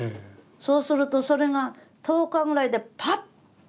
そうするとそれが１０日ぐらいでパッと。